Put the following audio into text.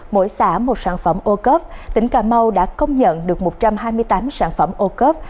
mỗi xã một sản phẩm ô cốp tỉnh cà mau đã công nhận được một trăm hai mươi tám sản phẩm ô cớp